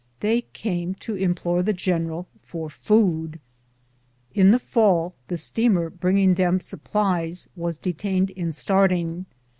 They came to implore the general for food. In the fall the steamer bringing them supplies was detained in starting.